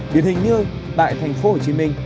điển hình như tại thành phố hồ chí minh